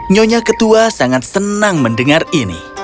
nyonya ketua sangat senang mendengar ini